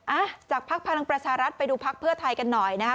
อ่ะจากภักดิ์พลังประชารัฐไปดูพักเพื่อไทยกันหน่อยนะฮะ